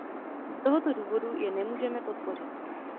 Z tohoto důvodu je nemůžeme podpořit.